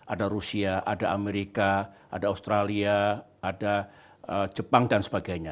ada rusia ada amerika ada australia ada jepang dan sebagainya